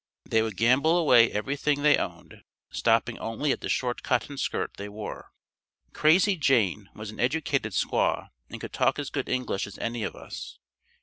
They would gamble away everything they owned, stopping only at the short cotton skirt they wore. "Crazy Jane" was an educated squaw and could talk as good English as any of us.